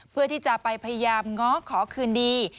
เพื่อที่จะไปพยายามง้อขอคืนดี